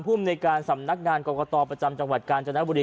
ผู้บริการสำนักดารกรกตประจำจังหวัดการจันทรัพย์บุรี